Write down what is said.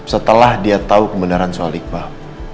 setelah dia tahu kebenaran soal iqbal